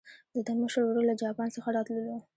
د ده مشر ورور له جاپان څخه راتللو.